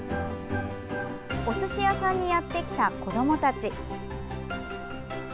おすし屋さんにやってきた子どもたち。